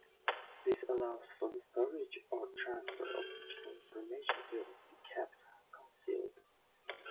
This allows for the storage or transfer of digital information to be kept concealed.